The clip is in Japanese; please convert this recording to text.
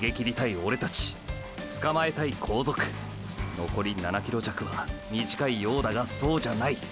のこり７ｋｍ弱は短いようだがそうじゃない。